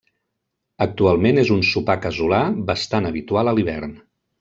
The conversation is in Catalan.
Actualment és un sopar casolà bastant habitual a l'hivern.